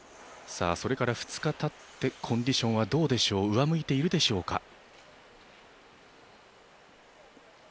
それから２日たってコンディションはどうでしょう上向いているでしょうか。